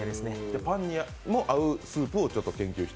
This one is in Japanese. パンにも合うスープを研究して？